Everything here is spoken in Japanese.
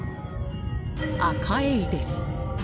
アカエイです。